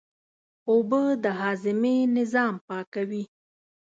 اوبه د هاضمې نظام پاکوي